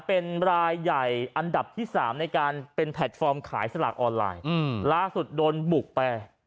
เป็นรายใหญ่อันดับที่สามในการเป็นแพลตฟอร์มขายสลากออนไลน์ล่าสุดโดนบุกไป